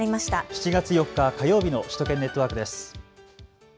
７月４日火曜日の首都圏ネットワークです。